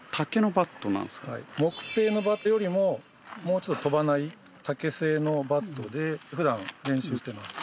木製のバットよりももうちょっと飛ばない竹製のバットで普段練習してます。